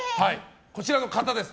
こちらの方です。